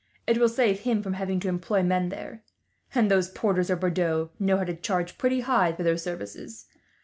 It will save him from having to employ men there, and those porters of Bordeaux know how to charge pretty high for their services.